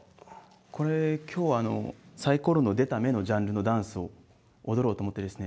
これ今日あのサイコロの出た目のジャンルのダンスを踊ろうと思ってですね